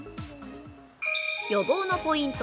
予防のポイント